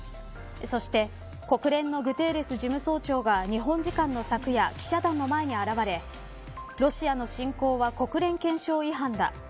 そして、国連のグテーレス事務総長が日本時間の昨夜、記者団の前に現れロシアの侵攻は国連憲章違反だ。